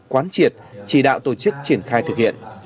quán triệt chỉ đạo tổ chức triển khai thực hiện